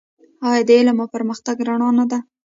آیا د علم او پرمختګ رڼا نه ده؟